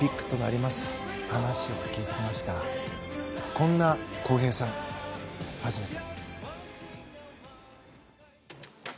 こんな航平さん、初めて。